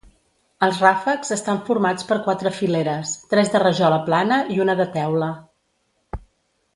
Els ràfecs estan formats per quatre fileres, tres de rajola plana i una de teula.